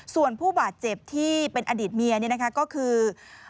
ส่วนผู้บาดเจ็บที่เป็นอดีตเมียก็คือ